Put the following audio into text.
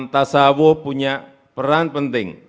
tassawuh punya peran penting